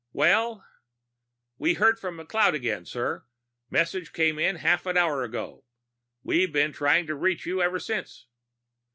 "Well?" "We heard from McLeod again, sir. Message came in half an hour ago and we've been trying to reach you ever since."